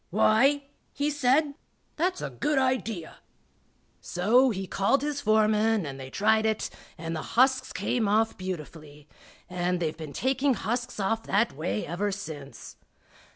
"Why," he said, "that's a good idea." So he called his foreman and they tried it, and the husks came off beautifully, and they've been taking husks off that way ever since.